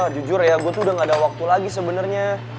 jujur ya gue tuh udah gak ada waktu lagi sebenarnya